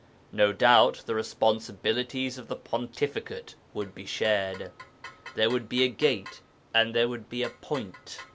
No doubt the responsibilities of the pontificate would be shared. There would be a 'Gate' and there would be a 'Point.'